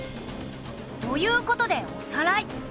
という事でおさらい。